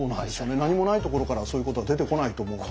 何もないところからそういうことは出てこないと思うので。